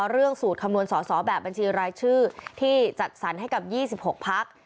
เรื่องสูตรคำนวณสอสอแบบบัญชีรายชื่อที่จัดสรรให้กับ๒๖พัก